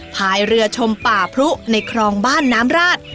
พายเรือชมป่าพรุในครองบ้านน้ำราช